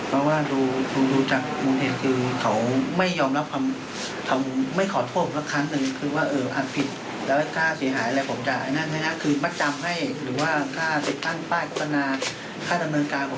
บางอย่างมันเคยใช้ความสุขแต่ใช้คำว่าคุณสำคัญมาเวิ่ง